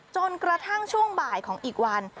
จนกระทั่งช่วงบ่ายของอีกวัน